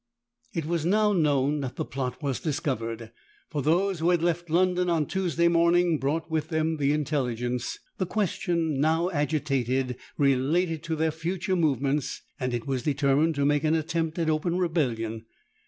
It was now known that the plot was discovered; for those who had left London on Tuesday morning brought with them the intelligence. The question now agitated related to their future movements; and it was determined to make an attempt at open rebellion.